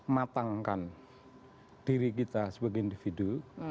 matangkan diri kita sebagai individu